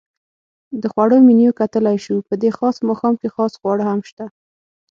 د خوړو منیو کتلای شو؟ په دې خاص ماښام کې خاص خواړه هم شته.